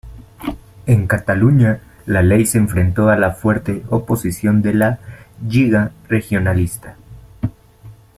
En Cataluña la ley se enfrentó a la fuerte oposición de la "Lliga Regionalista".